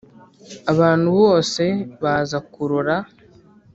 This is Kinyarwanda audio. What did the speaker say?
Abantu bose baza kurora